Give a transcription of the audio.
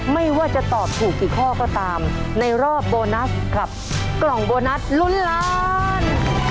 ไม่ว่าจะตอบถูกกี่ข้อก็ตามในรอบโบนัสกับกล่องโบนัสลุ้นล้าน